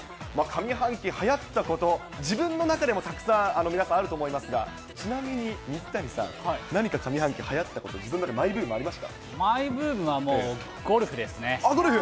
上半期、はやったこと、自分の中でもたくさん、皆さんあると思いますが、ちなみに水谷さん、何か、上半期、はやったこと、自分の中のマイブマイブームはもうゴルフですああ、ゴルフ？